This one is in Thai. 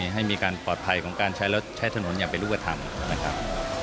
ให้มีการปลอดภัยของการใช้รถใช้ถนนอย่างเป็นรูปธรรมนะครับ